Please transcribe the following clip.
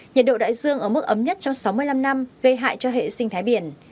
nhiệt độ đại dương ở mức ấm nhất trong sáu mươi năm năm gây hại cho hệ sinh thái biển